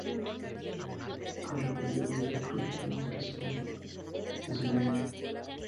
Ha respondido a varias acusaciones que se le han hecho.